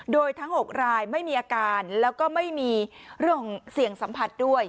โดยทั้ง๖รายไม่มีอาการแล้วก็ไม่มีเรื่องของเสี่ยงสัมผัสด้วย